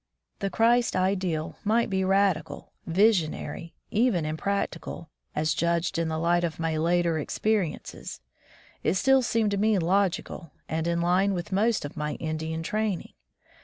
The Christ ideal might be radical, visionary, even impractical, as judged in the light of my later experiences ; it still seemed to me logical, and in line with most of my Indian training.